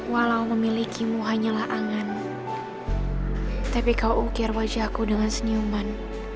walau memilikimu hanyalah angan tapi kau ukir wajahku dengan senyuman